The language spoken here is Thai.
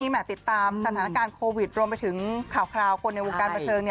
แห่ติดตามสถานการณ์โควิดรวมไปถึงข่าวคนในวงการบันเทิง